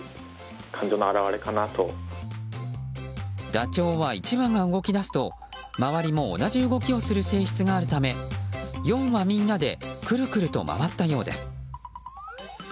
ダチョウは１羽が動き出すと周りも同じ動きをする性質があるため４羽みんなでくるくると回ったようです。